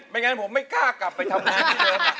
งั้นผมไม่กล้ากลับไปทำงาน